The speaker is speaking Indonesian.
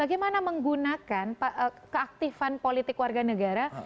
bagaimana menggunakan keaktifan politik warga negara